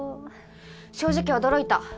正直驚いた。